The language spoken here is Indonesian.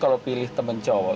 kamu harus pilih temen cowok